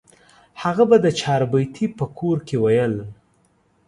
هغه به د چاربیتې په کور کې ویل.